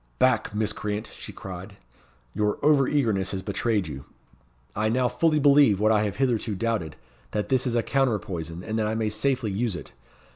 "Back, miscreant!" she cried; "your over eagerness has betrayed you. I now fully believe what I have hitherto doubted, that this is a counter poison, and that I may safely use it.